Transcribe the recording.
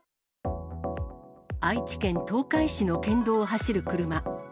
愛知県東海市の県道を走る車。